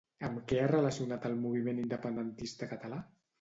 Amb què ha relacionat el moviment independentista català?